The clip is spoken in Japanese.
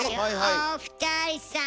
お二人さん。